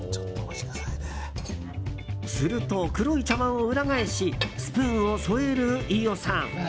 すると黒い茶碗を裏返しスプーンを添える飯尾さん。